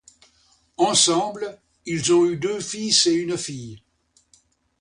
Ensemble, ils ont eu deux fils et une fille.